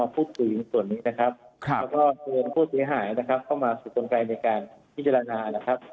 มาพุส่วนนี้นะครับเชิญผู้เสียหายเข้ามาสู่คนไกลในการมิจารณานะครับ